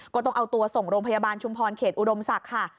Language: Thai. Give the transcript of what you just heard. ก็ต้องเอาตัวส่งโรงพยาบาลชุมพรเขตอุดมศักดิ์ค่ะ